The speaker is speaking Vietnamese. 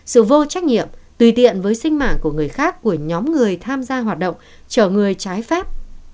sự vô trách nhiệm tùy tiện với sinh mạng của người khác của nhóm người tham gia hoạt động chở người trái phép